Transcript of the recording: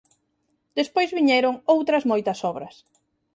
Despois viñeron outras moitas obras.